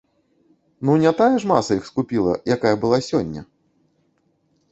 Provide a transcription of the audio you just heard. Ну, не тая ж маса іх скупіла, якая была сёння?